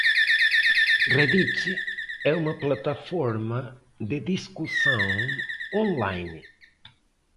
Reddit é uma plataforma de discussão online.